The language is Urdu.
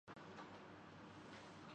کون ان سے مرعوب ہوگا۔